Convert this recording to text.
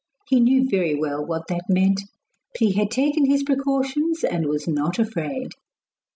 He knew very well what that meant; but he had taken his precautions and was not afraid.